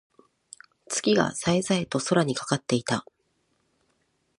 月が冴え冴えと空にかかっていた。